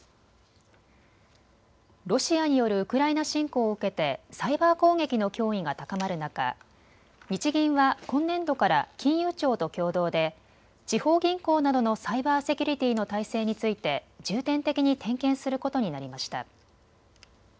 ロシアによるウクライナ侵攻を受けてサイバー攻撃の脅威が高まる中、日銀は今年度から金融庁と共同で地方銀行などのサイバーセキュリティーの体制について重点的に点検することになりました。